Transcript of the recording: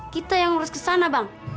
kita yang ngurus ke sana bang